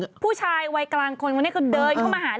อยู่ที่ผู้ชายวัยกลางคนวันนี้ก็เดินเข้ามาหา